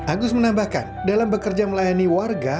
agus menambahkan dalam bekerja melayani warga